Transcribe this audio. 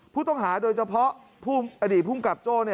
ผู้ต้องหาโดยเฉพาะอดีตภูมิกับโจ้